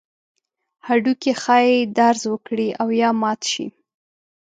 هډوکي ښایي درز وکړي او یا مات شي.